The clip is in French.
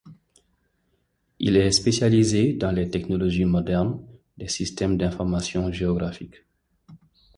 Il est spécialisé dans les technologies modernes des systèmes d'information géographique.